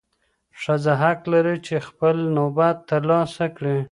ښځه حق لري چې خپل نوبت ترلاسه کړي.